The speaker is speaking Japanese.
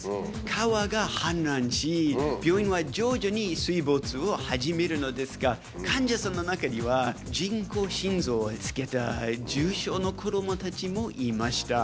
川が氾濫し、病院は徐々に水没を始めるのですが、患者さんの中には人工心臓をつけた重症の子どもたちもいました。